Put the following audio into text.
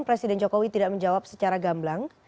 presiden jokowi tidak menjawab secara gamblang